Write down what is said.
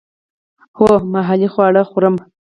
هو، محلی خواړه خورم